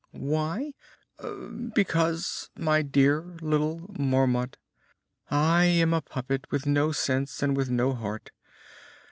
"Why? Because, my dear little Marmot, I am a puppet with no sense, and with no heart.